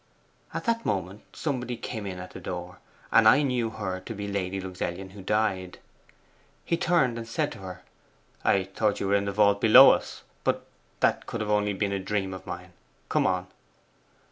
At that moment somebody came in at the door, and I knew her to be Lady Luxellian who died. He turned and said to her, "I thought you were in the vault below us; but that could have only been a dream of mine. Come on."